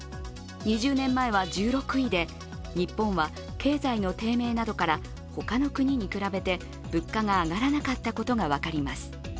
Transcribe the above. ２０年前は１６位で日本は経済の低迷などから他の国に比べて物価が上がらなかったことが分かります。